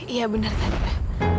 iya benar tadi pak